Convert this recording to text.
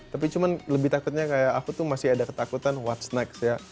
tapi cuman lebih takutnya kayak aku tuh masih ada ketakutan what's next ya